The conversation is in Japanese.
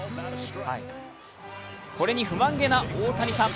これに不満げな大谷さん。